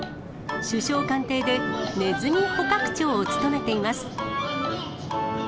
首相官邸でネズミ捕獲長を務めています。